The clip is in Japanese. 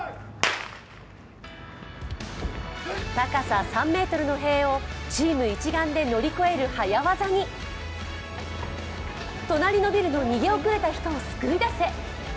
高さ３ｍの塀をチーム一丸で乗り越える早技に隣のビルの逃げ遅れた人を救い出せ。